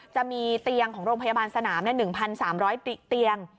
จะมีเตียงของโรงพยาบาลสนาม๑๓๐๐เตียง